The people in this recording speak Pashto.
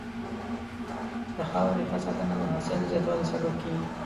د خاورې ښه ساتنه د حاصل زیاتوالي سبب کېږي.